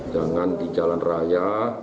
jangan di jalan raya